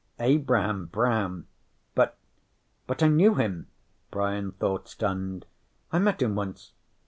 Abraham Brown? But But I knew him, Brian thought, stunned. _I met him once.